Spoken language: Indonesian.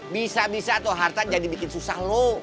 bisa bisa tuh harta jadi bikin susah loh